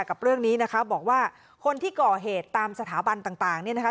กับเรื่องนี้นะคะบอกว่าคนที่ก่อเหตุตามสถาบันต่างเนี่ยนะคะ